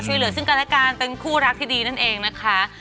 ช่วยเหลือซึ่งกันและกันเป็นคู่รักที่ดีนั่นเองนะคะ